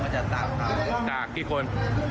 จากกี่คน